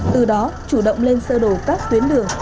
từ đó chủ động lên sơ đổ các tuyến đường